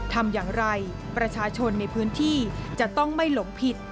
ทำอย่างไรประชาชนในพื้นที่จะต้องไม่หลงผิด